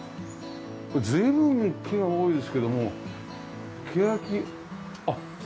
随分木が多いですけどもケヤキあっ桜が。